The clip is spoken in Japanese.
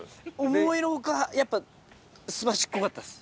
思いの外やっぱすばしっこかったっす。